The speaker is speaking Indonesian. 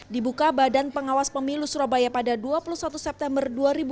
dibuka badan pengawas pemilu surabaya pada dua puluh satu september dua ribu dua puluh